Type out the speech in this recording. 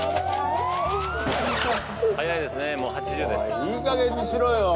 いいかげんにしろよ。